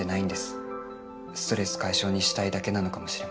ストレス解消にしたいだけなのかもしれません。